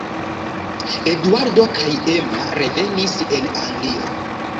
Eduardo kaj Emma revenis en Anglion.